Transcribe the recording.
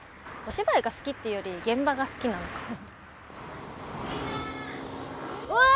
お芝居が好きっていうより現場が好きなのかも。